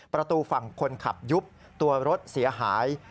ประตูฝั่งคนขับยุบตัวรถเสียหาย